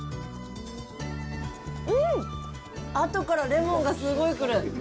うん、あとからレモンがすごいくる。